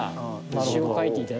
詞を書いていただいた。